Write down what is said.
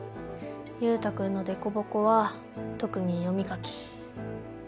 優太くんの凸凹は特に読み書き。